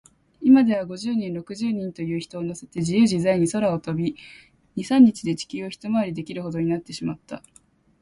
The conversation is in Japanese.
いまでは、五十人、六十人という人をのせて、じゆうじざいに空を飛び、二、三日で地球をひとまわりできるほどになってしまった。